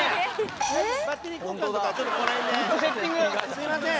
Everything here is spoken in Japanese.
すいません。